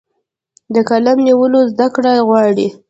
د قلم نیول زده کړه غواړي.